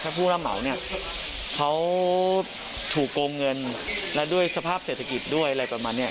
ถ้าผู้รับเหมาเนี่ยเขาถูกโกงเงินและด้วยสภาพเศรษฐกิจด้วยอะไรประมาณนี้